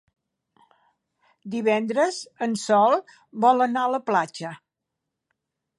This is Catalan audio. Divendres en Sol vol anar a la platja.